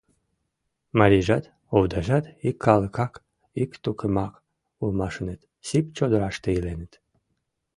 Марийжат, овдажат ик калыкак, ик тукымак улмашыныт: сип чодыраште иленыт.